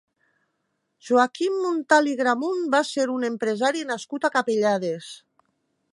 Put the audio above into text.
Joaquim Muntal i Gramunt va ser un empresari nascut a Capellades.